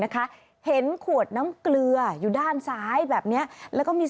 เห็นขวดน้ำเกลืออยู่ด้านซ้ายแบบเนี้ยแล้วก็มี